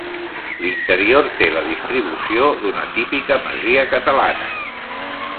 L'interior té la distribució d'una típica masia catalana.